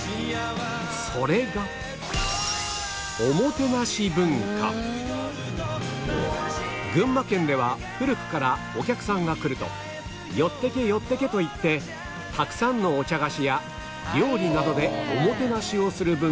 それが群馬県では古くからお客さんが来ると「よってけ！よってけ！」と言ってたくさんのお茶菓子や料理などでおもてなしをする文化がある